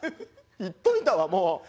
言っといたわもう。